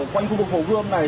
quanh khu vực hồ gươm này